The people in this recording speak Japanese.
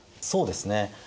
そうですね。